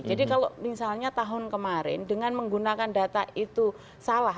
jadi kalau misalnya tahun kemarin dengan menggunakan data itu salah